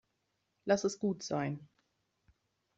Lass es gut sein.